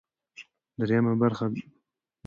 درېیمه برخه د کمي څېړنو په اړه ده.